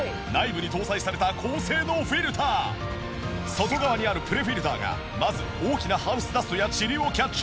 外側にあるプレフィルターがまず大きなハウスダストやチリをキャッチ。